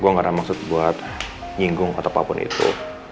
gue gak ada maksud buat nyinggung atau apapun itu